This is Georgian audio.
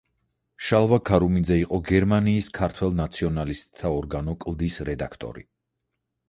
შალვა ქარუმიძე იყო გერმანიის ქართველ ნაციონალისტთა ორგანო „კლდის“ რედაქტორი.